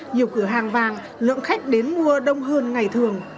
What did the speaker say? nhiều cửa hàng vàng lượng khách đến mua đông hơn ngày thường